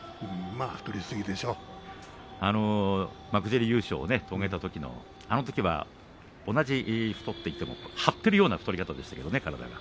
あの幕尻優勝を遂げたときはあのときは同じ太っていても張っているような太り方でしたけれどもね。